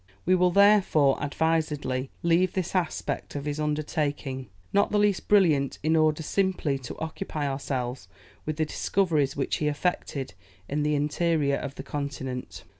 We will, therefore, advisedly leave this aspect of his undertaking, not the least brilliant, in order simply to occupy ourselves with the discoveries which he effected in the interior of the continent.